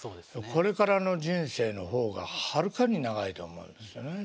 これからの人生の方がはるかに長いと思うんですよね。